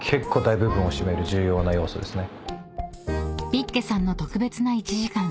［ビッケさんの特別な１時間］